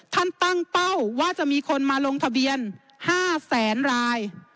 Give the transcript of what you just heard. ตั้งเป้าว่าจะมีคนมาลงทะเบียน๕แสนราย